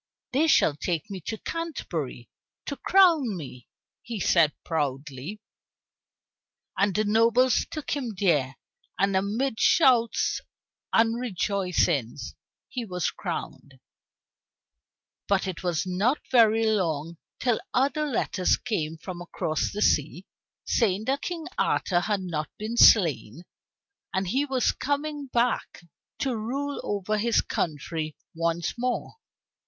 "They shall take me to Canterbury to crown me," he said proudly. And the nobles took him there, and amid shouts and rejoicings he was crowned. But it was not very long till other letters came from across the sea, saying that King Arthur had not been slain, and that he was coming back to rule over his own country once more.